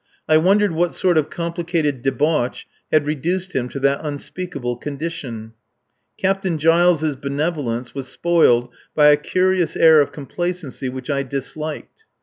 I wondered what sort of complicated debauch had reduced him to that unspeakable condition. Captain Giles' benevolence was spoiled by a curious air of complacency which I disliked.